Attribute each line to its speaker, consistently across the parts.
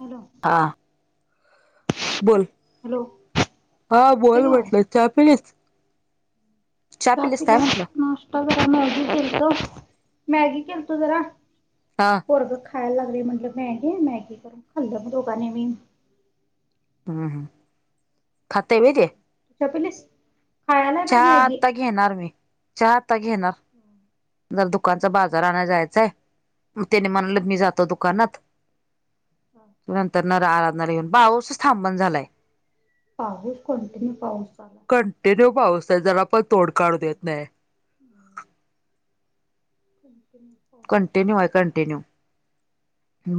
Speaker 1: Hello
Speaker 2: हां बोल
Speaker 1: hello
Speaker 2: हा
Speaker 1: येतोय का
Speaker 2: बोल
Speaker 1: आवाज?
Speaker 2: म्हटलं चहा पिलीस
Speaker 1: चहा
Speaker 2: पिलीस काय
Speaker 1: पिला
Speaker 2: म्हटलं?
Speaker 1: नाश्ता जरा मॅगी केलतो मॅगी केलतो जरा.
Speaker 2: हा.
Speaker 1: पोरग खाय लागले म्हनलं मॅगी मॅगी करून खाल्लं दोघांनी बी.
Speaker 2: हा हा खातय व्हय ते.
Speaker 1: चहा पिलीस खायालाय बाई
Speaker 2: चहा
Speaker 1: मॅगी.
Speaker 2: आता घेणार मी चहा आता घेणार.
Speaker 1: हम
Speaker 2: जरा दुकानचा बाजार आणय जायचाय मग त्यांनी म्हणालेत मी जातो दुकानात नंतर न रान [unintelligible] पाऊसस थांबण झालाय
Speaker 1: पाऊस कंटिन्यू पाऊस आहे.
Speaker 2: कंटिन्यू पाऊस ये जरा पण तोंड काढू देत नाय.
Speaker 1: हम्म. [unintelligible]
Speaker 2: कंटिन्यू
Speaker 1: चालू
Speaker 2: हाय कंटिन्यू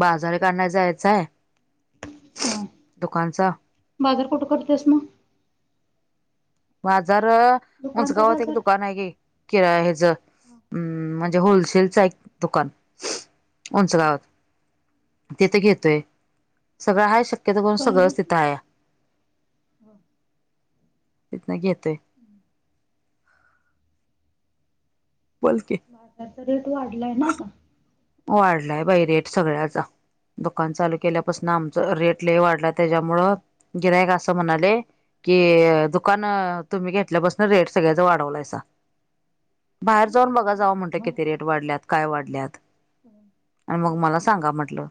Speaker 2: बाजार एक आणाया जायचाय.
Speaker 1: व्हय
Speaker 2: दुकानचा
Speaker 1: बाजार कुठे करतेस मग
Speaker 2: बाजार
Speaker 1: दुकानचा
Speaker 2: मजगावात एक
Speaker 1: बाजार?
Speaker 2: दुकान हाय की. किराण्याचं म्हणजे होलसेलच हाय की दुकान. उंच गावात तिथे घेतोय सगळं हाय तिथ पण सगळ
Speaker 1: परवडतय?
Speaker 2: तिथं हाय
Speaker 1: [inaudible]
Speaker 2: तिथन घेतोय.
Speaker 1: हम्म
Speaker 2: बोल कीे
Speaker 1: भाज्यांचा रेट वाढलाय ना आता.
Speaker 2: वाढलाय बाई रेट सगळ्याचा दुकान चालू केल्यापासन आमच रेट लय वाढला त्याच्या मुळं गिरायक असं म्हणाले. कि दुकान तुम्ही घेतल्यापासून रेट सगळ्याचा वाढवलायसा. बाहेर
Speaker 1: आम्ही
Speaker 2: जाऊन बघा
Speaker 1: वाढवला नाही
Speaker 2: जावा म्हटल
Speaker 1: म्हणा.
Speaker 2: किती रेट वाढल्यात काय वाढल्यात.
Speaker 1: हम्
Speaker 2: आणि मग मला सांगा म्हटलं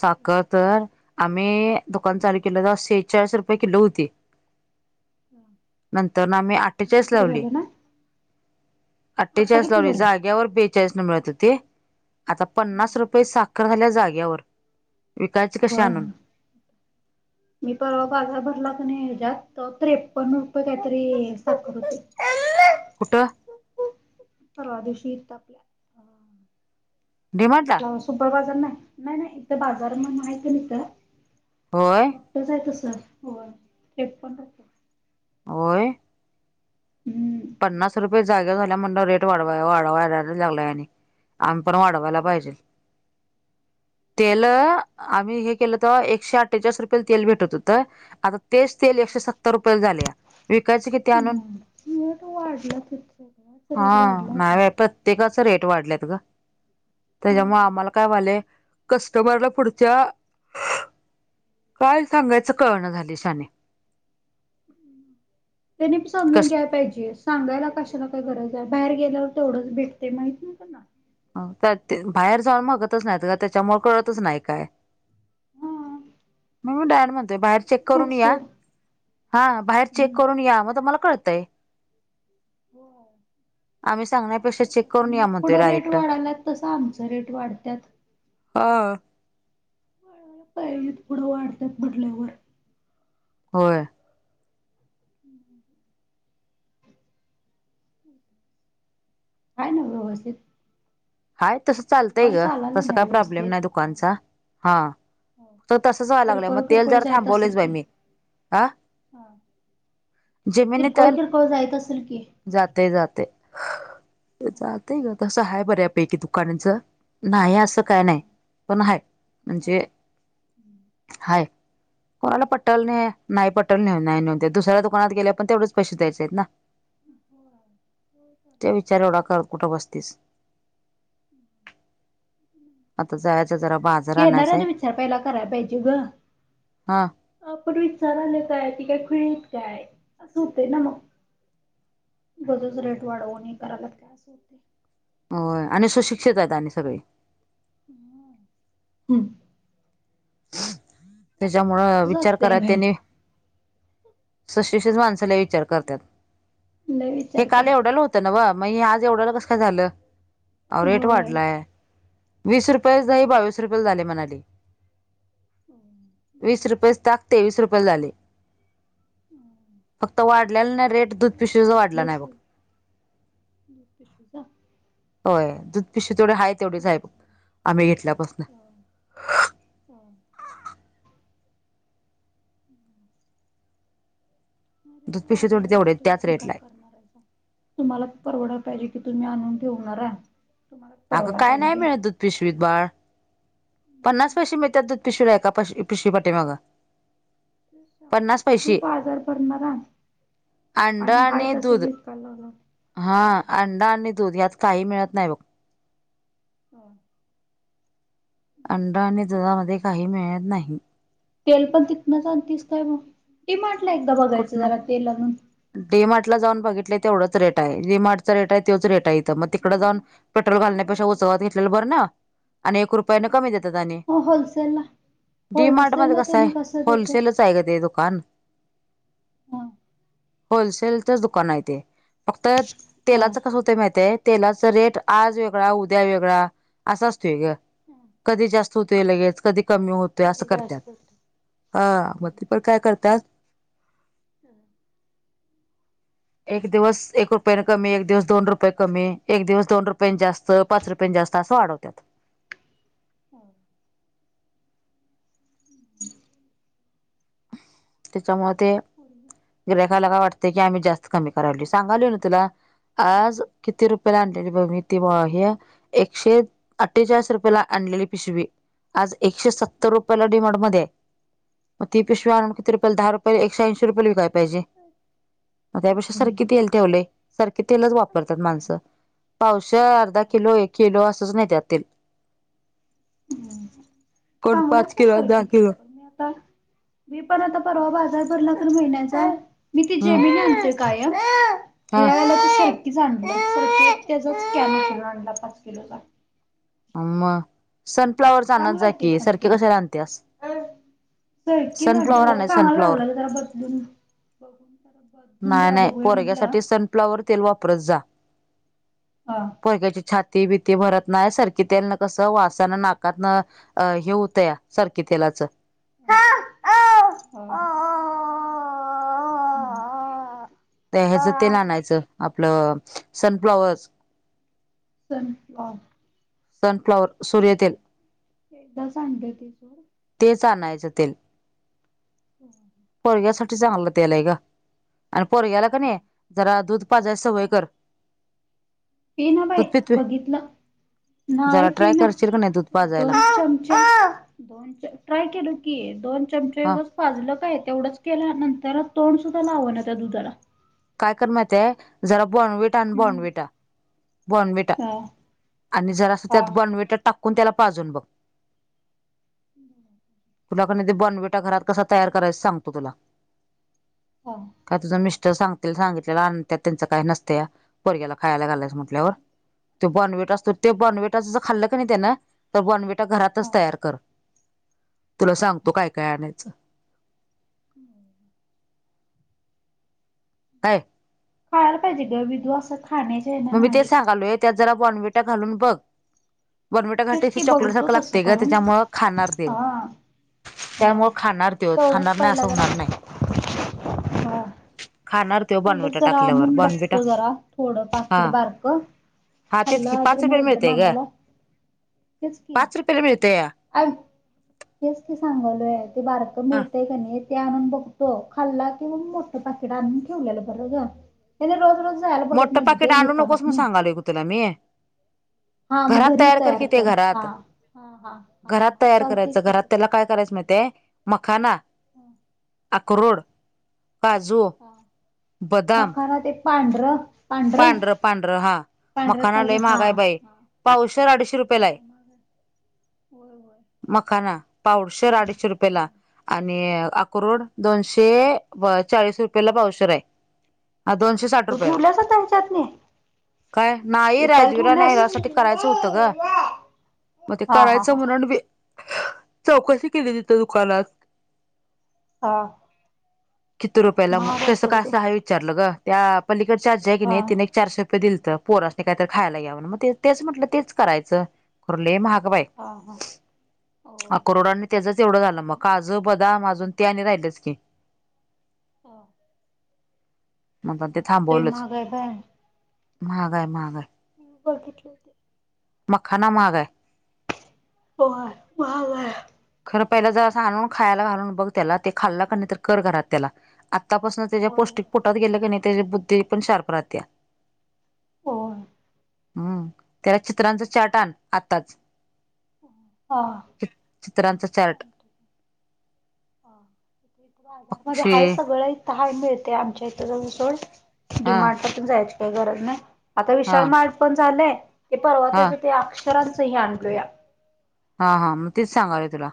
Speaker 2: साखर तर आ मी दुकान चालू केलं तेव्हा शेहेचाळीस रुपये किलो होती.
Speaker 1: मग
Speaker 2: नंतर ना आमी
Speaker 1: त्रेपन्न
Speaker 2: अठेचाळीस
Speaker 1: काहीतरी
Speaker 2: लावली.
Speaker 1: झालं ना आत्ता
Speaker 2: अठ्ठेचाळीस
Speaker 1: किती
Speaker 2: लावली
Speaker 1: झाले?
Speaker 2: जाग्यावर बेचाळीसनं मिळतं ते. आता
Speaker 1: हा
Speaker 2: पन्नास रुपये साखर झाल्या जाग्यावर. विकायची कशी आणून
Speaker 1: [unintelligible] मी परवा बाजार भरला का नाही ह्याज्यात त्रेपन्न रुपये काहीतरी साखर होती.
Speaker 2: कुठं?
Speaker 1: परवा दिवशी इथं आपल्या
Speaker 2: डिमार्टला
Speaker 1: [unintelligible] सुपर बाजार नाही, नाही नाही इथं बाजार म्हणून हाय क नाही इथं
Speaker 2: होय.
Speaker 1: [unintelligible] तसं होय त्रेपन्न रुपये.
Speaker 2: होय.
Speaker 1: हम्म.
Speaker 2: पन्नास रुपये जाग्यावर झाल्या वर म्हणल्यावर रेट [unintelligible] आम्ही पण वाढवायला पाहिजे. तेल आम्ही हे केलं तेव्हा, एकशे अठ्ठेचाळीस रूपयेला तेल भेटत होतं आता तेच तेल एकशे सत्तर रुपयेला झालेया विकायचे किती आणून?
Speaker 1: रेट वाढल्यात इथं.
Speaker 2: हां नाही बाई प्रत्येकाचं रेट वाढल्यात गं.
Speaker 1: होय.
Speaker 2: त्याच्यामुळं आम्हाला काय व्हायलंय कस्टमरला पुढच्या काय सांगायचं कळना झालंय शाने.
Speaker 1: त्यांनी बी समजून
Speaker 2: कस
Speaker 1: घ्याय पाहिजेस. सांगायला कशाला काय गरज आहे? बाहेर गेल्यावर तेवढंच भेटते माहित नाही त्यांना?
Speaker 2: [unintelligible] बाहेर जाऊन मागतच नाहीत गं त्याच्यामुळे कळतच नाही काय.
Speaker 1: हा
Speaker 2: म्हणून डायरेक्ट म्हण ते बाहेर चेक
Speaker 1: पण आहेत
Speaker 2: करून या,
Speaker 1: सोड.
Speaker 2: हां बाहेर चेक
Speaker 1: हम्म.
Speaker 2: करून या मग तुम्हाला कळतंय.
Speaker 1: होय.
Speaker 2: आम्ही सांगण्यापेक्षा चेक करून या म्हणतोय डायरेक्ट.
Speaker 1: वाढल्यात तसं आमच रेट वाढत्यात.
Speaker 2: हा.
Speaker 1: [unintelligible] पुढं वाढतात म्हटल्यावर.
Speaker 2: होय.
Speaker 1: [inaudible] हाय ना व्यवस्थित?
Speaker 2: हाय तसं चालतंय
Speaker 1: दुकान
Speaker 2: गं
Speaker 1: चालालय
Speaker 2: तसं
Speaker 1: ना
Speaker 2: काय प्रॉब्लेम
Speaker 1: व्यवस्थित?
Speaker 2: नाही दुकानचा हां. तर तसंच व्हाय लागलंय मग तेल जरा थांबवलेच बाई मी. हा
Speaker 1: हां किरकोळ किरकोळ जाईत असेल की?
Speaker 2: जातंय जातंय ये जातंय गं तसं हाय बऱ्या पैकी दुकानाचं, नाही असं काय नाही पण हाय. म्हणजे हाय. कोणाला पटल नाही, नाही पटल नाही नेऊदे दुसऱ्या दुकनात गेल्यावर पण तेवढेच पैसे द्यायचे आहेत ना? ते विचार एवढा करत कुठं बसतीस. आता जायचं जरा बाजार आणायचाय.
Speaker 1: घेणाऱ्याने विचार पहिला कराय पाहिजे ग.
Speaker 2: हां.
Speaker 1: आपण विचारालोय काय? ती काय खुळी हाईत काय? असं होतंय ना मग. [unintelligible] रेट वाढवून हे करायल्यात काय असं होतंय.
Speaker 2: होय आणि सुशिक्षित आहेत आणि सगळी.
Speaker 1: [inaudible]
Speaker 2: त्याच्यामुळं
Speaker 1: तसच
Speaker 2: विचार
Speaker 1: असतय
Speaker 2: कराय
Speaker 1: बाई
Speaker 2: त्यांनी सुशिक्षित माणसं लय विचार करत्यात
Speaker 1: लय
Speaker 2: हे
Speaker 1: विचार
Speaker 2: काल
Speaker 1: करतात
Speaker 2: एवढ्याला हो त नव्हं, मग हे आज एवढ्याला कसं काय झालं? अहो रेट
Speaker 1: होय.
Speaker 2: वाढलाय. वीस रुपये नाही बावीस रुपयेला झालंय म्हणाली. वीस रुपयेच ताक तेवीस रुपयेला झालंय फक्त वाढलेला नाही रेट [unintelligible] वाढला नाही बघ
Speaker 1: [inaudible]
Speaker 2: होय. दूध पिशवी तेवढी हाय तेवढीच आहे बघ आम्ही घेतल्यापासनं.
Speaker 1: हम्म हम्म हम्म. मग रेट
Speaker 2: दूध पिशवी तेवढी
Speaker 1: वाढल्यावर
Speaker 2: तेवढे
Speaker 1: तुम्ही
Speaker 2: त्याच
Speaker 1: तर काय
Speaker 2: रेटला आहे.
Speaker 1: करणार आहेसा? तुम्हाला तर परवडाय पाहिजे की तुम्ही आणून ठेवणारा. तुम्हाला
Speaker 2: अगं
Speaker 1: परवडा
Speaker 2: काय
Speaker 1: पाहिजे
Speaker 2: नाही
Speaker 1: ते
Speaker 2: मिळत दूध पिशवीत बाळ. पन्नास
Speaker 1: मग
Speaker 2: पैसे मिळतात दूध पिशव्या एका पाश पिशवी पाठीमागं.
Speaker 1: [unintelligible]
Speaker 2: पन्नास
Speaker 1: तुम्ही
Speaker 2: पैसे
Speaker 1: बाजार भरणारा.
Speaker 2: अंडा
Speaker 1: हाय
Speaker 2: आणि
Speaker 1: तसच
Speaker 2: दूध
Speaker 1: विकायला लागला
Speaker 2: हां अंडा आणि दूध यात काही मिळत नाही बघ.
Speaker 1: [inaudible]
Speaker 2: अंडा आणि दुधामध्ये काही मिळत नाही.
Speaker 1: तेल पण तिथनंच आणतीस काय मग? डी मार्टला एकदा बघायचं
Speaker 2: कुठनं
Speaker 1: जरा तेल आणून.
Speaker 2: डी मार्टला जाऊन बघितलंय तेवढंच रेट आहे डी. मार्टचा रेट आहे त्योच रेट आहे इ थं मग तिकडं जाऊन
Speaker 1: होय
Speaker 2: पेट्रोल
Speaker 1: तेच रेट
Speaker 2: घालण्यापेक्षा [unintelligible]
Speaker 1: असतय
Speaker 2: घेतलेलं बरं ना? आणि एक रुपयाने कमी देतात आणि
Speaker 1: हो होलसेलला
Speaker 2: डी मार्टमध्ये
Speaker 1: होलसेलला
Speaker 2: कसं आहे
Speaker 1: त्यांनी देतात
Speaker 2: होलसेलच आहे गं ते दुकान.
Speaker 1: हा
Speaker 2: होलसेलचच दुकान आहे ते फक्त
Speaker 1: हा
Speaker 2: तेलाचं कसं हो तंय माहित आहे तेलाचा रेट आज वेगळा उद्या वेगळा असं असतोय गं. कधी जास्त होतोय
Speaker 1: हम्म
Speaker 2: लगेच कधी कमी होतोय असं
Speaker 1: कधी
Speaker 2: करत्यात.
Speaker 1: जास्त होत.
Speaker 2: हां मग ते पण काय करतात.
Speaker 1: हम्म.
Speaker 2: एक दिवस एक रुपयानं कमी एक दिवस दोन रुपये कमी एक दिवस दोन रुपयानं जास त पाच रुपयानं जास्त असं वाढवतात.
Speaker 1: [inaudible]
Speaker 2: त्याच्यामुळं ते गिऱ्हाईकाला काय वाटतंय की आम्ही जास्त कमी करायलोय सांगालोय ना तुला आज किती रुपयाला आणलेली बघ मी ते हे एकशे अठ्ठेचाळीस रुपयेला आणलेली पिशवी. आज एकशे सत्तर रुपयाला डि मार्टमध्ये आहे. ती पिशवी आणून किती रुपयाला? दहा रुपया एकशे ऐंशी रुपयाला विकायला पाहिजे मग त्यापेक्षा सर की तेल ठेवलंय सरकी तेलच वापरतात माणसं. पावशेर, अर्धा किलो, एक किलो असंच नेत्यात तेल.
Speaker 1: [unintelligible]
Speaker 2: कोण पाच
Speaker 1: चांगलंच आहे
Speaker 2: किलो दहा
Speaker 1: सरकी तेल
Speaker 2: किलो
Speaker 1: पण मी आता मी पण आता परवा बाजार भरला तर महिन्याचा मी ते
Speaker 2: हम्म
Speaker 1: जेमीनी आणतोय कायम. मी
Speaker 2: हा
Speaker 1: यावेळेला तो सरकीच आणलाय सरकी एक त्याचाच कॅन उचलून आणला पाच किलोचा.
Speaker 2: हां मग सनफ्लॉवरचा आणत
Speaker 1: चांगला
Speaker 2: जा
Speaker 1: आहे
Speaker 2: की
Speaker 1: ते पण
Speaker 2: सरकी कशाला आणत्यास?
Speaker 1: सरकीच आणला
Speaker 2: सनफ्लाॉवर
Speaker 1: जरा
Speaker 2: आणायच
Speaker 1: चांगला
Speaker 2: सनफ्लाॉवर
Speaker 1: लागला गं जरा बदलून बघून. जरा बदलून
Speaker 2: नाही
Speaker 1: जरा
Speaker 2: नाही
Speaker 1: बघूया म्हटलं
Speaker 2: पोरग्यासाठी सनफ्लॉवर तेल वापरत जा.
Speaker 1: हां.
Speaker 2: पोरग्याची छाती बीती भरत नाय सर त्यांना कसं वासानं नाकातन अ हे होतया सर्दी तेलाच.
Speaker 1: [unintelligible] हा ओव अ अ अ अ
Speaker 2: ते ह्याच तेल आनायच आपलं अ अ सनफ्लावर.
Speaker 1: सनफ्लावर... [unintelligible]
Speaker 2: सनफ्लोअर
Speaker 1: काय सांगत्याती.
Speaker 2: तेच आणायचं तेल पोरग्यासाठी चांगलं तेल आहे ग. आणि पोरग्याला कानाय जरा दूध पाजा या सवय कर
Speaker 1: पि ना बाई
Speaker 2: दूध पितवी
Speaker 1: बघितलं नाही
Speaker 2: जरा
Speaker 1: पि
Speaker 2: ट्राय
Speaker 1: ना
Speaker 2: करशील का नाही दूध पाजायला
Speaker 1: दोनच चमचे ओ काय केल की, दोन चमचे
Speaker 2: हा
Speaker 1: उगाज पाजल काय तेवढच. केल्यानंतर तोंड सुद्धा लावना त्या दुधाला.
Speaker 2: काय कर माहितीये, जरा बोर्नवीटा आण. बोर्नवीटा बोर्नवीटा.
Speaker 1: हो [unintelligible]
Speaker 2: आणि जरास त्यात बोर्नविटा टाकून त्याला पाजून बघ.
Speaker 1: हम् [inaudible]
Speaker 2: कुना कडन ते बोनॅविटा घरात कस तयार करायच ते सांगतो तुला.
Speaker 1: हा
Speaker 2: काय तुझं मिस्टर सांगतील सांगितलेलं आणत्यात त्यांचं काय नसतया. पोरग्याला खायला घालायचं म्हटल्यावर तो बोरविटा असतो. ते बॉर्नवेटा जर खाल्लं कानाही त्याना तर बॉर्नविटा
Speaker 1: हा
Speaker 2: घरातच तयार कर. तुला
Speaker 1: हा
Speaker 2: सांगतो काय काय आणायचं.
Speaker 1: [inaudible]
Speaker 2: काय?
Speaker 1: करायला पाहिजे ग विधवा असत खाण्याची. [unintelligible]
Speaker 2: मग मी ते सांगालोय त्यात जरा बोनॅविटा घालून बघ बर्मिटा घाट
Speaker 1: तेच की
Speaker 2: [unintelligible] चॉकलेट
Speaker 1: बघतो
Speaker 2: सारखं
Speaker 1: तसं
Speaker 2: लागतेय ग
Speaker 1: करून
Speaker 2: त्याच्यामुळं खाणार ते
Speaker 1: हा
Speaker 2: त्यामुळे
Speaker 1: होय.
Speaker 2: खाणार त्यो
Speaker 1: तेवढंच
Speaker 2: खाणार नाही
Speaker 1: पहिला
Speaker 2: असं होणार नाही. खाणार. त्यो
Speaker 1: पहिल
Speaker 2: बॉनविटा
Speaker 1: जरा
Speaker 2: टाकल्यावर
Speaker 1: आणून
Speaker 2: बॉनविटा
Speaker 1: बघतो जरा. थोडं
Speaker 2: हा
Speaker 1: पाकीट बारक
Speaker 2: हा तेच
Speaker 1: खाल्लं
Speaker 2: की
Speaker 1: असेल तर
Speaker 2: पाच रुपयाला
Speaker 1: मिळेल बघ
Speaker 2: मिळतय ग
Speaker 1: मामाला
Speaker 2: पाच रुपयाला मिळतंया.
Speaker 1: तेच ती सांगाआलोय ते बारक
Speaker 2: हा
Speaker 1: मिळतय काय नाही. ते आणून बघतो खाल्ला किं मोठ पकेट आणून ठेवलेलं बरं ग. त्यांनीरोज रोज जायाला बघत नाहीेत दे दुकानाततनी
Speaker 2: खाली कुतला मी [unintelligible]
Speaker 1: हा
Speaker 2: [inaudible]
Speaker 1: मग
Speaker 2: घरात
Speaker 1: घरी
Speaker 2: तयार कर कि ते
Speaker 1: हा
Speaker 2: घरात..
Speaker 1: हा हा हा
Speaker 2: घरात
Speaker 1: हा
Speaker 2: तयार करायचं
Speaker 1: चालतेच
Speaker 2: घरात
Speaker 1: तसं
Speaker 2: त्याला काय
Speaker 1: करतो मग
Speaker 2: करायचं माहितीये. मखाना,
Speaker 1: हा
Speaker 2: आक्रोड,
Speaker 1: हा
Speaker 2: काजू...
Speaker 1: हा मकाना ते पांढर
Speaker 2: पांढर पांढर हा मखाना
Speaker 1: कलर
Speaker 2: लय
Speaker 1: हा
Speaker 2: महागाय बाई.
Speaker 1: हा
Speaker 2: पावशेर अडीशे
Speaker 1: होय
Speaker 2: रुपयेलाय.
Speaker 1: मग होय होय
Speaker 2: मखना पावडशेर अडीशे रुपयेला आणि आक्रोड दोनशे ते चाळीस रुपयाेला पावशेर आय. दोनशे साठ रुपयाला.
Speaker 1: असं त्यांच्यात मी [unintelligible]
Speaker 2: काय नाही? राजवीरा न्याह्यासाठी करायचं होतं ग. मग ते
Speaker 1: हा हा
Speaker 2: करायचं
Speaker 1: हा
Speaker 2: म्हणूबी चौकशी केली तिथं दुकानात
Speaker 1: हा
Speaker 2: किती रुपयाला म,
Speaker 1: महाग आहे
Speaker 2: कसं
Speaker 1: सोड ते
Speaker 2: कासं आहे? विचारलं गं, त्या पलीकडच्या आजी हाय की
Speaker 1: हा
Speaker 2: नाही? तिने चारशे रुपये दिलत, पोरसनी काहीतरी खायला घ्याव, म ते तेच म्हंटलं तेच करायचं. पर लय महाग बाय,
Speaker 1: हा हा होय
Speaker 2: अक्रोड आन त्याचंच एवढं झालं, मग काजू, बदाम अजून ते आणि राहिलच की
Speaker 1: हा
Speaker 2: म्हणताना
Speaker 1: ते महाग हाय, काय?
Speaker 2: माहाग हाय, माहाग हाय
Speaker 1: बघतील
Speaker 2: मखाना, महाग आहे.
Speaker 1: हो, हाय, महाग हाय
Speaker 2: खरं पहिलं, जरासं आणून, खायला घालून बघ त्याला, ते खाल्लं का नाही, तर कर घरात त्याला. आत्तापासून त्याच्या
Speaker 1: होय
Speaker 2: पौष्टिक
Speaker 1: होय
Speaker 2: पोटात गेलं की नाही, त्याच्या बुद्धी पण शार्प रातीया
Speaker 1: होय
Speaker 2: हम्म, त्याला चित्रांच चाट आण, आत्ताच
Speaker 1: हा
Speaker 2: चित्रांच चार्ट
Speaker 1: हा बाजारमध्ये
Speaker 2: पक्षी
Speaker 1: हाय सगळं, इथं हाय मिळतय आमच्या इथं, जाऊन सोड
Speaker 2: हा
Speaker 1: डिमार्ट ला पण जायची काही गरज नाही, आता
Speaker 2: हा
Speaker 1: विशाल मार्ट पण झालंय ते परवा
Speaker 2: हा
Speaker 1: त्याच ते, अक्षरांचं हे, आणलो या
Speaker 2: हा, हा, म तेच सांगाय तुला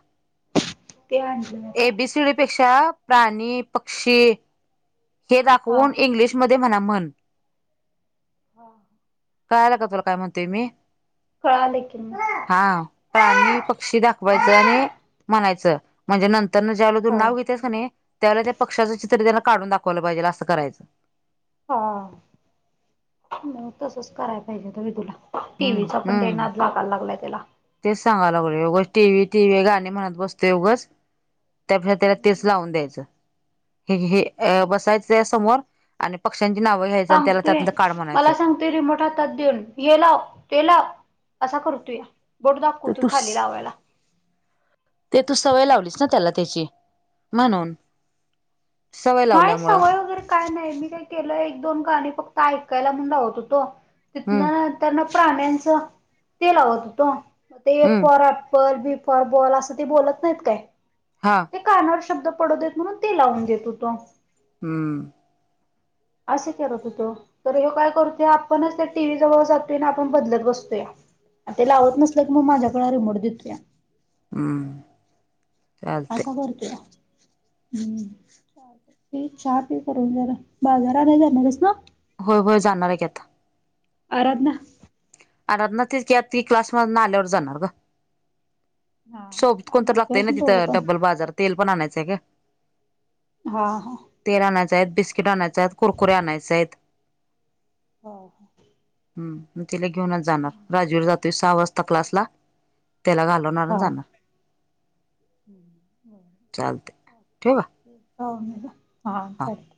Speaker 1: ते आन
Speaker 2: ए, बी, सी, डी पेक्षा प्राणी, पक्षी ते
Speaker 1: हा
Speaker 2: दाखवून, इंग्लिशमध्ये म्हणा म्हण
Speaker 1: हा
Speaker 2: काळळं का तुला, काय म्हणतेय मी?
Speaker 1: कळालं की म
Speaker 2: हा प्राणी, पक्षी दाखवायचं आणि म्हणायचं म्हणजे नंतर न ज्यावेळेला तू नाव घेतेस का नाही, त्यावेळेला त्या पक्षाचं चित्र त्याला काढून दाखवल पाहिजे, असं करायचं.
Speaker 1: हा, म तसंच कराय पाहिजे होत मी तुला
Speaker 2: हम्म
Speaker 1: टीव्हीचा पण लय
Speaker 2: हम्म
Speaker 1: नाद लागाय लागलाय त्याला
Speaker 2: तेच सांगाय लागलोय, उगच टीव्ही -टीव्ही गाणी म्हणत बसतो उगच ते आपलं त्याला तेच लावून द्यायचं, हे घे अ बसायचं त्याच्या समोर आणि पक्ष्यांची नावं घ्यायचं आणि त्याला त्यातंल काढ म्हणायचं.
Speaker 1: ते रिमोट हातात देऊन, हे लाव- ते लाव असा करतूया बोट
Speaker 2: तर
Speaker 1: दाखवतू
Speaker 2: तू
Speaker 1: खाली लावायला
Speaker 2: ते, तू सवय लावलीस ना, त्याला त्याची, म्हणून सवय
Speaker 1: नाही
Speaker 2: लावल्यामुळं
Speaker 1: सवय वगैरे काय नाही, मी काय केलय, एक- दोन गाणी, फक्त ऐकायला म्हणून लावत होतो
Speaker 2: हम्म
Speaker 1: तिथंन, त्यानं प्राण्यांच, ते लावत होतो म, ते, ऐ
Speaker 2: hmm
Speaker 1: for apple, B for ball, असं ते बोलत नाहीत काय?
Speaker 2: हा
Speaker 1: ते कानावर शब्द पडू देत, म्हणून ते लावून देत होतो.
Speaker 2: हम्म
Speaker 1: असे करत होतो तर ह्यो काय करतोय, आपणच त्या टीव्हीजवळ जातोय आणि आपण बदलत बसतोया. ते लावत नसलं की मग माझ्याकडे रिमोट देतूया.
Speaker 2: हम्म चालतंय
Speaker 1: असं करतुया हम्म. पी चहा पी करून जरा. बाजार आणाय जाणार हायस ना?
Speaker 2: होय होय जाणार आहे की आता.
Speaker 1: आराधना
Speaker 2: आराधना तेच की ती क्लासमधनं आल्यावर जाणार ग.
Speaker 1: हा
Speaker 2: सोबत
Speaker 1: आले
Speaker 2: कोणतर
Speaker 1: नाहीत
Speaker 2: लागतंय ना
Speaker 1: व्हय दोघं
Speaker 2: तिथं
Speaker 1: पण
Speaker 2: डब्बल बाजार तेल पण आणायचंय गं.
Speaker 1: हा हा.
Speaker 2: तेल आणायच आहेत, बिस्किट आणायच आहेत, कुरकुरे आणायचे आहेत.
Speaker 1: हा हा.
Speaker 2: हम्म, मग तिला घेऊनच जाणार. राजवीर जातोय सहा वाजता क्लासला त्याला घाल [unintelligible] आणि
Speaker 1: हा
Speaker 2: जाणार. चालतंय ठेवू का?
Speaker 1: [unintelligible] हा चालतंय.